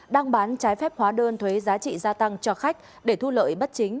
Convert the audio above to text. đang bán trái phép hóa đơn thuế giá trị gia tăng cho khách để thu lợi bất chính